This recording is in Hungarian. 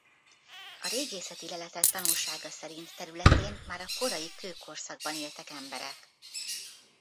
A régészeti leletek tanúsága szerint területén már a korai kőkorszakban éltek emberek.